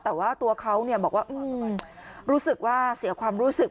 แต่ว่าตัวเขาบอกว่ารู้สึกว่าเสียความรู้สึก